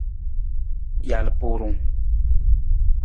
Jalpurung.